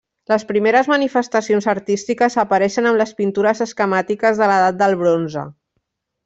Les primeres manifestacions artístiques apareixen amb les pintures esquemàtiques de l'Edat del Bronze.